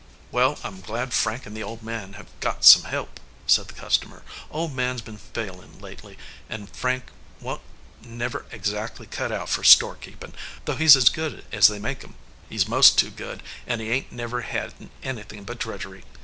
"Well, I m glad Frank and the old man hev got some help," said the customer. "Old man s been failin lately, and Frank wa n t never exactly cut out for storekeepin , though he s as good as they make em. He s most too good, and he ain t never had anything but drudgery.